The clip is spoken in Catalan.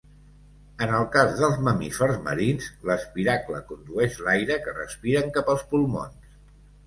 En el cas dels mamífers marins, l'espiracle condueix l'aire que respiren cap als pulmons.